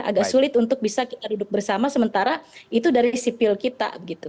agak sulit untuk bisa kita duduk bersama sementara itu dari sipil kita